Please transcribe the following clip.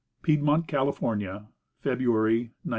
PIEDMONT, CALIFORNIA. February 1902.